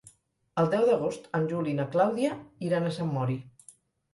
El deu d'agost en Juli i na Clàudia iran a Sant Mori.